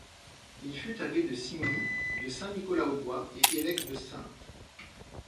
Il fut abbé de Signy, de Saint-Nicolas-au-Bois et évêque de Saintes.